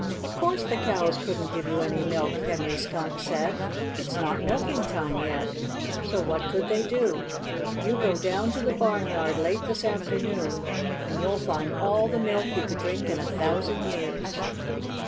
"Of course the cows couldn't give you any milk!" Henry Skunk said. "It's not milking time yet. So what could they do? You go down to the barnyard late this afternoon and you'll find all the milk you could drink in a thousand years."